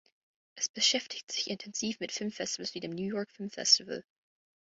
Es beschäftigt sich intensiv mit Filmfestivals wie dem New York Film Festival.